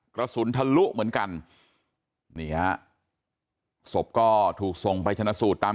กระสุนทะลุเหมือนกันนี่ฮะศพก็ถูกส่งไปชนะสูตรตาม